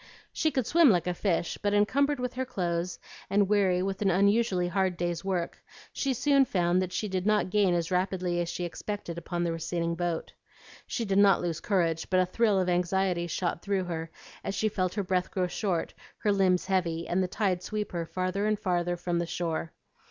She could swim like a fish, but encumbered with her clothes and weary with an unusually hard day's work, she soon found that she did not gain as rapidly as she expected upon the receding boat. She did not lose courage, but a thrill of anxiety shot through her as she felt her breath grow short, her limbs heavy, and the tide sweep her farther and farther from the shore.